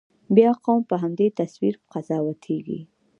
بیا قوم په همدې تصویر قضاوتېږي.